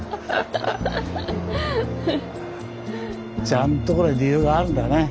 ちゃんとこれ理由があるんだね。